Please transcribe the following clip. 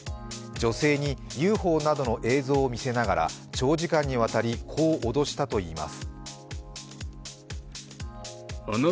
女性にＵＦＯなどの映像を見せながら長時間にわたりこう脅したといいます。